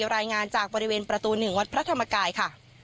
รายงานจากบริเวณประตู๑วัดพระธรรมกายค่ะ